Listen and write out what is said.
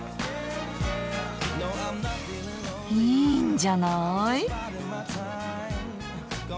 いいんじゃない！